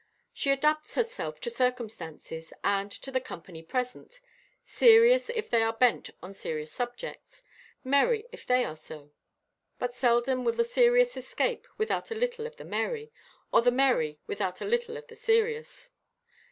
She adapts herself to circumstances and to the company present, serious if they are bent on serious subjects, merry if they are so; but seldom will the serious escape without a little of the merry, or the merry without a little of the serious.